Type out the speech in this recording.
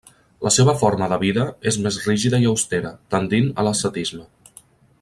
La seva forma de vida és més rígida i austera, tendint a l'ascetisme.